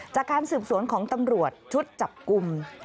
จากการสืบสวนของตำรวจชุดจับกลุ่ม